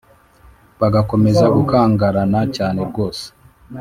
bagakomeza gukangarana cyane rwose